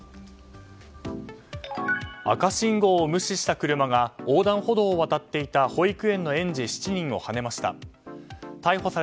赤信号を無視した車が横断歩道を渡っていた保育園の園児７人をはねました。